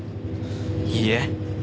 いいえ。